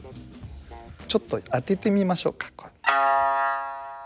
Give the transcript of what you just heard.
ちょっと当ててみましょうか。